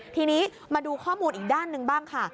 ทีนี้มาดูข้อมูลอีกด้านหนึ่งบ้างค่ะ